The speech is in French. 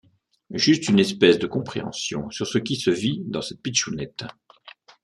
Juste une espèce de compréhension sur ce qui se vit dans cette pitchounette.